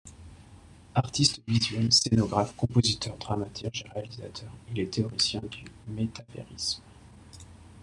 Artiste visuel, scénographe, compositeur, dramaturge et réalisateur, il est le théoricien du métavérisme.